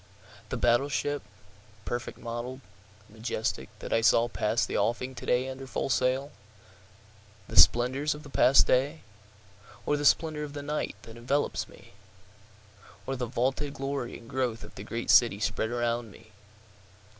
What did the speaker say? The battle ship, perfect model'd, majestic, that I saw pass the offing to day under full sail? The splendors of the past day? Or the splendor of the night that envelopes me? Or the vaunted glory and growth of the great city spread around me?